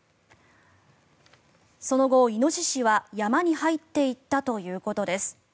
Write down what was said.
その後、イノシシは山に入っていったということです。